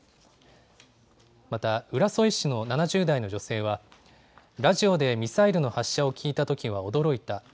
また浦添市の７０代の女性は、ラジオでミサイルの発射を聞いたときは驚いた。